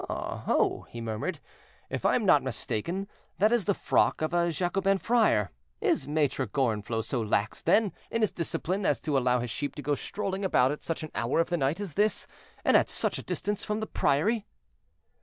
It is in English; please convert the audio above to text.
"Oh! oh!" he murmured; "if I am not mistaken, that is the frock of a Jacobin friar. Is Maitre Gorenflot so lax, then, in his discipline as to allow his sheep to go strolling about at such an hour of the night as this, and at such a distance from the priory?"